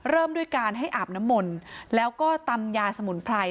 เริ่มด้วยการให้อาบน้ำมนต์แล้วก็ตำยาสมุนไพร